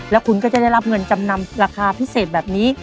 แล้วคุณก็จะได้รับเงินจำนำราคาพิเศษแบบนี้